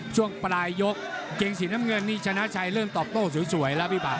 ช่วงปลายยกเกงสีน้ำเงินนี่ชนะชัยเริ่มตอบโต้สวยแล้วพี่ปาก